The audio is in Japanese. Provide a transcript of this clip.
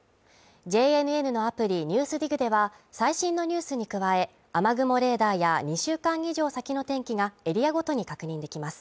ＪＮＮのアプリ「ＮＥＷＳＤＩＧ」では、最新のニュースに加え、雨雲レーダーや２週間以上先の天気がエリアごとに確認できます。